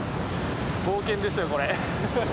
冒険ですよこれ。